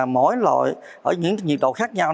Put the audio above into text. mỗi loại ở những nhiệt độ khác nhau